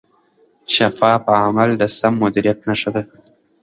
شفاف عمل د سم مدیریت نښه ده.